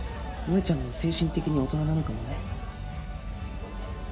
萌ちゃんも精神的に大人なのかもね。